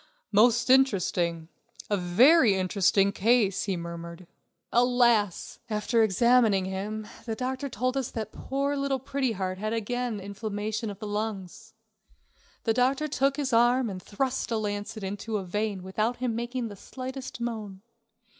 "Most interesting; a very interesting case," he murmured. Alas! after examining him, the doctor told us that poor little Pretty Heart again had inflammation of the lungs. The doctor took his arm and thrust a lancet into a vein without him making the slightest moan.